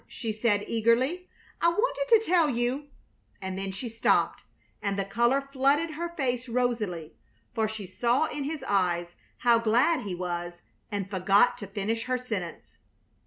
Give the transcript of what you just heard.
she said, eagerly. "I wanted to tell you " And then she stopped, and the color flooded her face rosily, for she saw in his eyes how glad he was and forgot to finish her sentence.